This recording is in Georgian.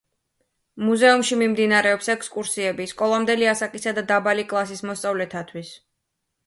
მუზეუმში მიმდინარეობს ექსკურსიები სკოლამდელი ასაკისა და დაბალი კლასის მოსწავლეთათვის.